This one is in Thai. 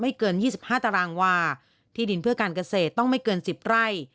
เกิน๒๕ตารางวาที่ดินเพื่อการเกษตรต้องไม่เกิน๑๐ไร่